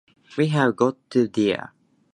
We've got to go, dear.